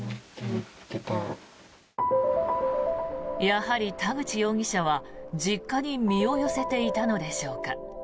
やはり田口容疑者は、実家に身を寄せていたのでしょうか。